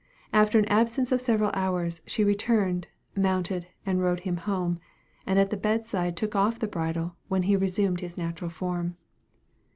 After an absence of several hours, she returned, mounted, and rode him home; and at the bed side took off the bridle, when he resumed his natural form.